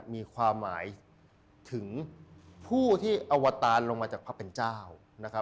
มีความหมายถึงผู้ที่อวตารลงมาจากพระเป็นเจ้านะครับ